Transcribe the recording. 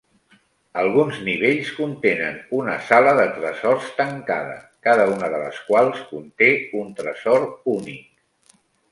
Alguns nivells contenen una sala de tresors tancada, cada una de les quals conté un tresor únic.